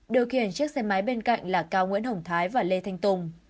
điều khiển chiếc xe máy bên cạnh là cao nguyễn hồng thái và lê thanh tùng